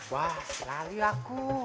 wah lalu aku